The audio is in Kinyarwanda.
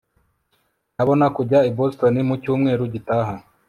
ndabona kujya i boston mu cyumweru gitaha